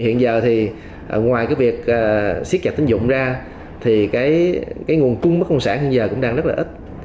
hiện giờ thì ngoài cái việc siết chặt tính dụng ra thì cái nguồn cung bất công sản hiện giờ cũng đang rất là ít